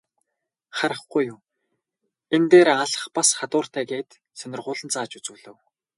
Харахгүй юу, энэ дээрээ алх бас хадууртай гээд сонирхуулан зааж үзүүлэв.